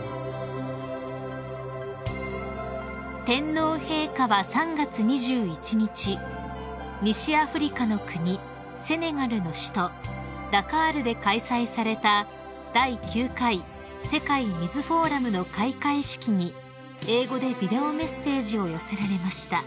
［天皇陛下は３月２１日西アフリカの国セネガルの首都ダカールで開催された第９回世界水フォーラムの開会式に英語でビデオメッセージを寄せられました］